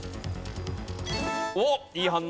おっいい反応。